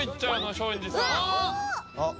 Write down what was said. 松陰寺さん。